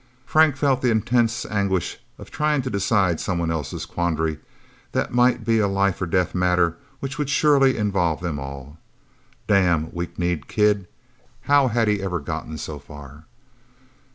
Frank felt the intense anguish of trying to decide somebody else's quandary that might be a life or death matter which would surely involve them all. Damn, weak kneed kid! How had he ever gotten so far?